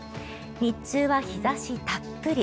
日中は日差したっぷり。